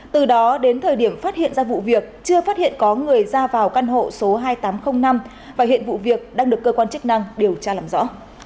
từ đó đến thời điểm phát hiện ra vụ việc chưa phát hiện có người ra vào căn hộ số hai nghìn tám trăm linh năm và hiện vụ việc đang được cơ quan chức năng điều tra làm rõ